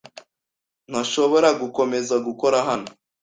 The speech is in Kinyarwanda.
ntashobora gukomeza gukora hano.